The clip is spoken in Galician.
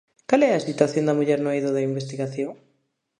Cal é a situación da muller no eido da investigación?